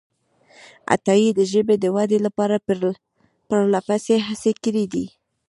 عطایي د ژبې د ودې لپاره پرلهپسې هڅې کړې دي.